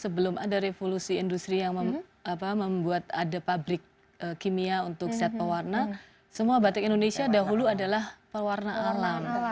sebelum ada revolusi industri yang membuat ada pabrik kimia untuk set pewarna semua batik indonesia dahulu adalah pewarna alam